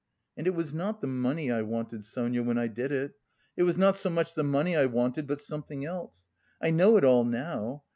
And it was not the money I wanted, Sonia, when I did it. It was not so much the money I wanted, but something else.... I know it all now....